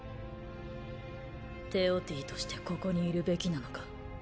テオティとしてここにいるべきなのか。